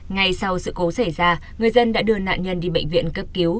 ngay sau sự cố xảy ra người dân đã đưa nạn nhân đi bệnh viện cấp cứu